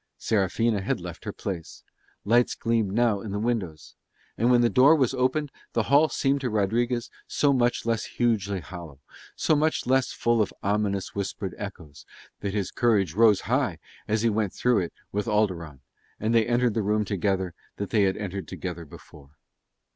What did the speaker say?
Serafina had left her place: lights gleamed now in the windows. And when the door was opened the hall seemed to Rodriguez so much less hugely hollow, so much less full of ominous whispered echoes, that his courage rose high as he went through it with Alderon, and they entered the room together that they had entered together before.